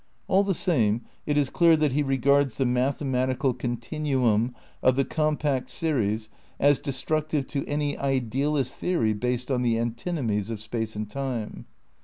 All the same it is clear that he regards the mathematical con tinuum of the compact series as destructive to any idealist theory based on the antinomies of space and time.